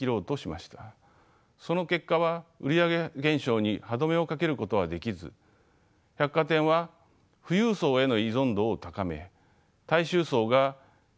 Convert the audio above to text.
その結果は売り上げ減少に歯止めをかけることはできず百貨店は富裕層への依存度を高め大衆層が百貨店から離れていきました。